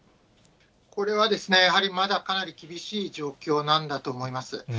これはやはりまだかなり厳しい状況なんだと思います。